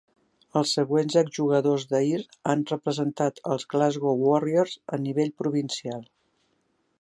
Els següents exjugadors d'Ayr han representat als Glasgow Warriors a nivell provincial.